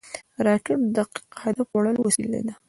راکټ د دقیق هدف وړلو وسیله ده